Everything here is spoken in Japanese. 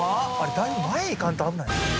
だいぶ前いかんと危ない。